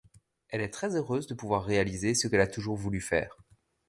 Elle est très heureuse de pouvoir réaliser ce qu'elle a toujours voulu faire.